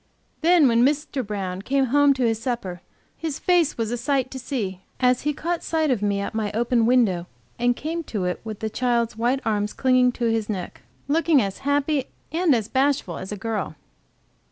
Then when Mr. Brown came home to his supper, his face was a sight to see, as he caught sight of me at my open window, and came to it with the child's white arms clinging to his neck, looking as happy and as bashful as a girl.